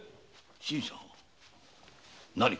新さん何か？